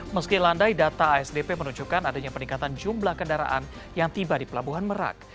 meski landai data asdp menunjukkan adanya peningkatan jumlah kendaraan yang tiba di pelabuhan merak